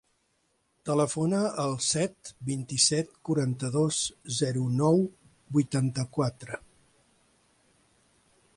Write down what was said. Telefona al set, vint-i-set, quaranta-dos, zero, nou, vuitanta-quatre.